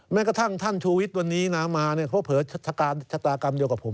แม้แท่งท่านชูวิทวันนี้มาเพื่อเผยชะตากรรมเดียวกับผม